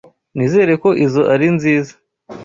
Nizere ko izoi ari nziza.